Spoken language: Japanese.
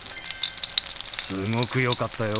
すごく良かったよ。